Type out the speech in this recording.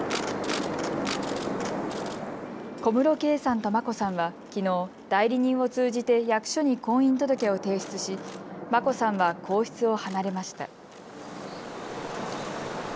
小室圭さんと眞子さんは、きのう代理人を通じて役所に婚姻届を提出し眞子さんは皇室を離れました。